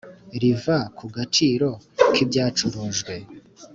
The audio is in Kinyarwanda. riva ku gaciro ki byacurujwe;